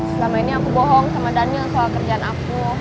selama ini aku bohong sama daniel soal kerjaan aku